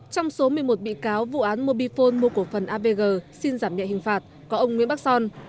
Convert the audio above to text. trong số một mươi một bị cáo vụ án mobifone mua cổ phần avg xin giảm nhẹ hình phạt có ông nguyễn bắc son